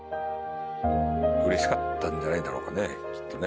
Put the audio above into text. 嬉しかったんじゃないだろうかねきっとね。